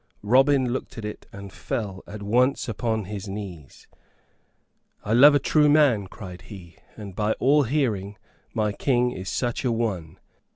Robin looked at it, and fell at once upon his knees. "I love a true man," cried he, "and by all hearing my King is such an one.